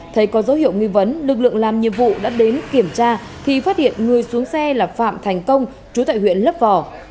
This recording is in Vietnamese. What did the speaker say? thấy có dấu hiệu nghi vấn lực lượng làm nhiệm vụ đã đến kiểm tra thì phát hiện người xuống xe là phạm thành công chú tại huyện lấp vò